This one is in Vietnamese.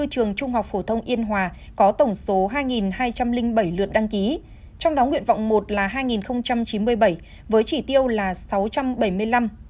trường trung học phổ thông yên hòa có tổng số hai hai trăm linh bảy lượt đăng ký trong đó nguyện vọng một là hai chín mươi bảy với chỉ tiêu là sáu trăm bảy mươi năm